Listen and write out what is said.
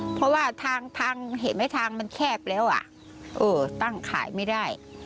เพราะว่าทางเห็นไหมทางมันแคบแล้วอ่ะเออตั้งขายไม่ได้